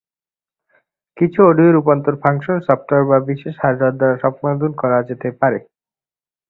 কিছু অডিও রূপান্তর function software বা বিশেষ হার্ডওয়্যার দ্বারা সম্পাদন করা যেতে পারে।